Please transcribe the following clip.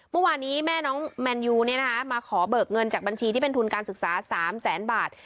เมื่อวานนี้แม่น้องแมนยูมาขอเบิกเงินจากบัญชีที่เป็นทุนการศึกษา๓แสนบาท